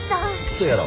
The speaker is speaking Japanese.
そやろ。